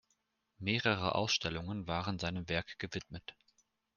Mehrere Ausstellungen waren seinem Werk gewidmet.